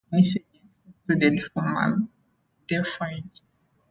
Initial agents included formaldehyde.